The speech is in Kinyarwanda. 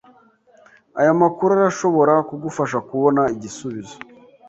Aya makuru arashobora kugufasha kubona igisubizo.